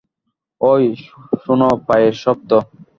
–ওই শোনো পায়ের শব্দ।